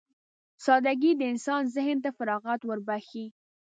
سادهګي د انسان ذهن ته فراغت وربښي.